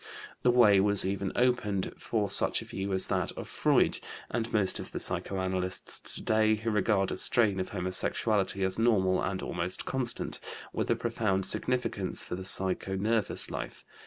The way was even opened for such a view as that of Freud and most of the psychoanalysts today who regard a strain of homosexuality as normal and almost constant, with a profound significance for the psychonervous life.